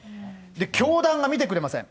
教団がみてくれません。